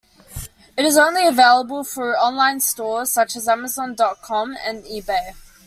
It is only available through online stores such as Amazon dot com and eBay.